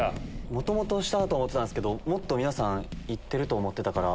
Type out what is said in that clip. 下と思ってたけどもっと皆さん行ってると思ってたから。